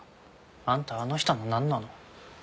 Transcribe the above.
あんたあの人のなんなの？